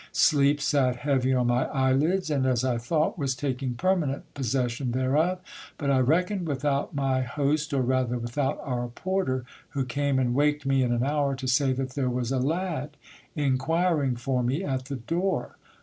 Sleep sat heavy on my eyelids, and, as I thought, was taking permanent pos session thereof ; but I reckoned without my host, or rather without our porter, who came and waked me in an hour, to say that there was a lad inquiring for me at the door.